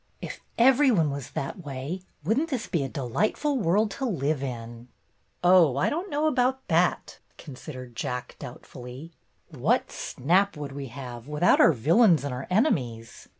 If every one was that way, would n't this be a delightful world to live in !" "Oh, I don't know about that," considered Jack, doubtfully. "What snap would we have without our villains and our enemies